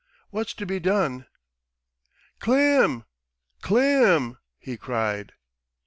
. What's to be done?" "Klim! Klim," he cried.